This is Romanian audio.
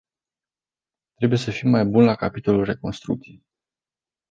Trebuie să fim mai buni la capitolul reconstrucție.